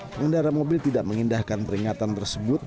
pengendara mobil tidak mengindahkan peringatan tersebut